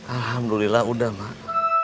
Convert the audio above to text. alhamdulillah udah mak